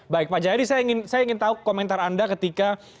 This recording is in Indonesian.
baik pak jayadi saya ingin tahu komentar anda ketika